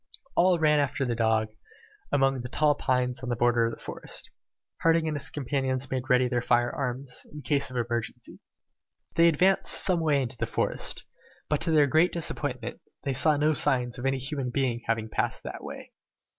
All ran after the dog, among the tall pines on the border of the forest. Harding and his companions made ready their fire arms, in case of an emergency. They advanced some way into the wood, but to their great disappointment, they as yet saw no signs of any human being having passed that way.